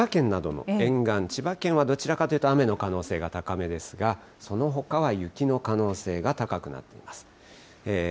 千葉県などの沿岸、千葉県はどちらかというと、雨の可能性が高めですが、そのほかは雪の可能性が高くなっています。